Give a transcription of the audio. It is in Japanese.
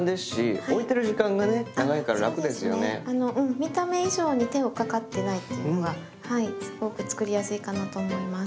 見た目以上に手をかかってないっていうのがすごく作りやすいかなと思います。